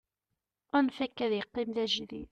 anef akka ad yeqqim d ajdid